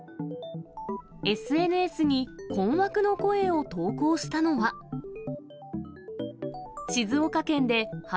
ＳＮＳに困惑の声を投稿したのは。